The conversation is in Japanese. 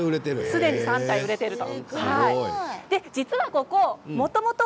すでに２、３体売れているんです。